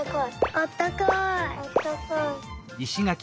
あったかい。